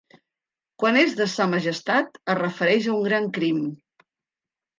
Quan és de sa majestat es refereix a un gran crim.